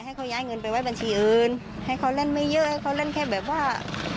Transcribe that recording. ให้เขาย้ายเงินไปไว้บัญชีอื่นให้เขาเล่นไม่เยอะให้เขาเล่นแค่แบบว่า